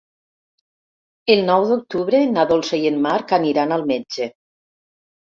El nou d'octubre na Dolça i en Marc aniran al metge.